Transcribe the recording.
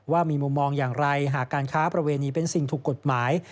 ว่ามีมุมมองอย่างไรหากการค้าประเวณีเป็นสิ่งถูกกฎหมาย